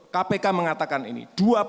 kpk mengatakan ini dua puluh